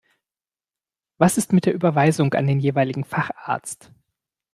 Was ist mit der Überweisung an den jeweiligen Facharzt?